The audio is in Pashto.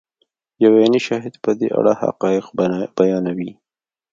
یو عیني شاهد په دې اړه حقایق بیانوي.